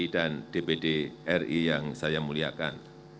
dan dpd ri yang saya muliakan